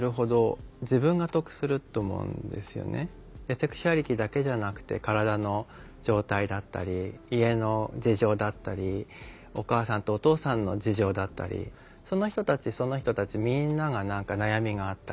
セクシュアリティーだけじゃなくて体の状態だったり家の事情だったりお母さんとお父さんの事情だったりその人たちその人たちみんなが何か悩みがあったり。